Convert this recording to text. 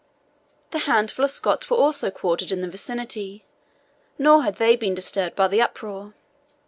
The handful of Scots were also quartered in the vicinity, nor had they been disturbed by the uproar.